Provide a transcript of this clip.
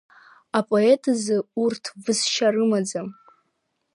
Апоет изы урҭ высшьа рымаӡам.